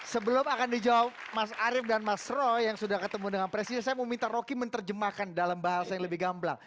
sebelum akan dijawab mas arief dan mas roy yang sudah ketemu dengan presiden saya mau minta rocky menerjemahkan dalam bahasa yang lebih gamblang